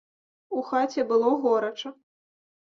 У хаце было горача.